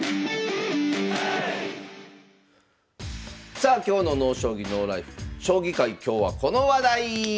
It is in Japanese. さあ今日の「ＮＯ将棋ＮＯＬＩＦＥ」「将棋界今日はこの話題！」。